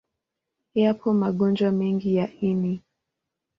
Yapo magonjwa mengi ya ini.